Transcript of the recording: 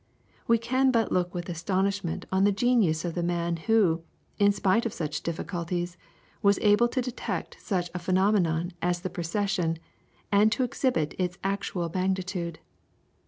We can but look with astonishment on the genius of the man who, in spite of such difficulties, was able to detect such a phenomenon as the precession, and to exhibit its actual magnitude.